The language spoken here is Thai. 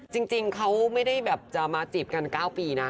จริงเขาไม่ได้แบบจะมาจีบกัน๙ปีนะ